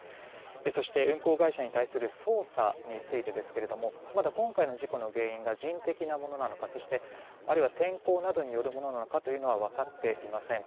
そして、運航会社に対する捜査についてですけどまだ今回の事故の原因が人的なものなのかそしてあるいは天候などによるものなのか分かっていません。